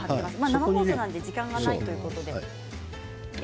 生放送で時間がないということで。